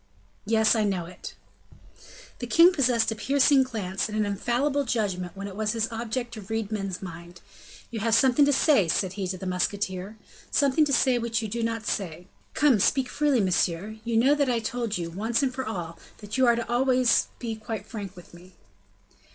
"Yes, I know it." The king possessed a piercing glance and an infallible judgment when it was his object to read men's minds. "You have something to say," said he to the musketeer, "something to say which you do not say. Come, speak freely, monsieur; you know that I told you, once and for all, that you are to be always quite frank with me."